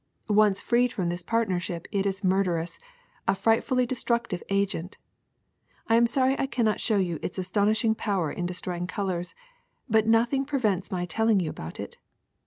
Once freed from this partnership it is murderous, a frightfully destructive agent. I am sorry I cannot show you its astonishing power in destro>4ng colors ; but nothing prevents my telling you about it.